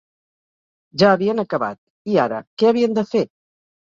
Ja havien acabat, i ara, què havien de fer?